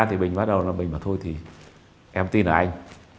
thì bình bắt đầu là bình bảo thôi thì em tin là anh